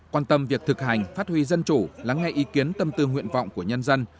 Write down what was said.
quan tâm việc thực hành phát huy dân chủ lắng nghe ý kiến tâm tư nguyện vọng của nhân dân